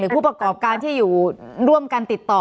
ผู้ประกอบการที่อยู่ร่วมกันติดต่อ